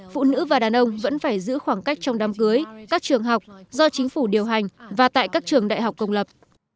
phụ nữ và đàn ông vẫn phải giữ khoảng cách trong đám cưới các trường học do chính phủ điều hành và tại các trường đại học công lập